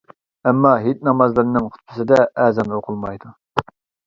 ئەمما ھېيت نامازلىرىنىڭ خۇتبىسىدە ئەزان ئوقۇلمايدۇ.